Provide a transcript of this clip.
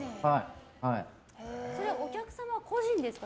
それはお客様個人ですか？